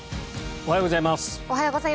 おはようございます。